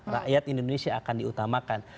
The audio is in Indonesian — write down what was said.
rakyat indonesia akan diutamakan